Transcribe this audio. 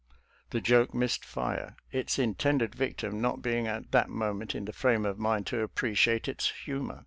The joke missed fire, its intended victim not being at: that moment in the frame of mind to appreciate* its humor.